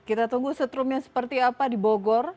kita tunggu setrumnya seperti apa di bogor